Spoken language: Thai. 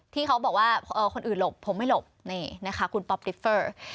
ที่เขาบอกว่าคนอื่นหลบผมไม่หลบนี่นะคะคุณป๊อปดิฟเฟอร์